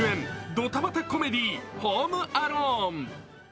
ドタバタコメディー、「ホーム・アローン」。